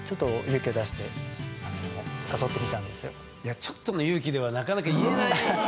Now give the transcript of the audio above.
ちょっとの勇気ではなかなか言えない。